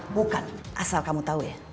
bukan asal kamu tahu ya